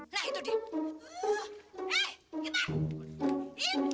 nah itu dia